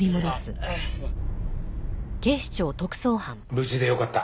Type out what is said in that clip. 無事でよかった。